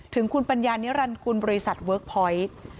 ถึงคุณปัญญานิรัณศรีบริษัทเวิร์กปอยต